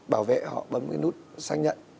bảo vệ họ bấm cái nút xác nhận